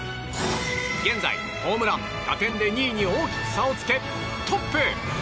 現在ホームラン、打点で２位に大きく差をつけトップ。